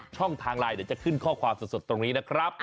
ช่องทางไลน์เดี๋ยวจะขึ้นข้อความสดตรงนี้นะครับ